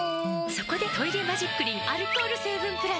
そこで「トイレマジックリン」アルコール成分プラス！